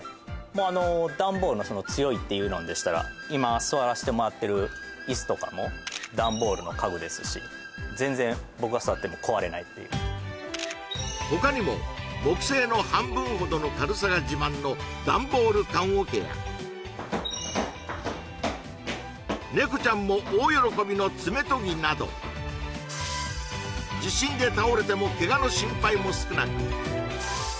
もうあのダンボールのその強いっていうのんでしたら今座らせてもらってる椅子とかもダンボールの家具ですし全然僕が座っても壊れないっていう他にも木製の半分ほどの軽さが自慢のダンボール棺桶や猫ちゃんも大喜びの爪とぎなどダンボールはどんどんでもね